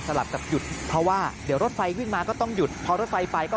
ลับกับหยุดเพราะว่าเดี๋ยวรถไฟวิ่งมาก็ต้องหยุดพอรถไฟไปก็